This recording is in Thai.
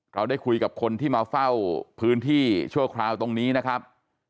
เราได้คุยกับคนที่มาเฝ้าพื้นที่ชั่วคราวตรงนี้นะครับ